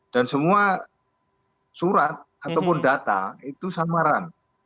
dan semua surat ataupun data itu samaran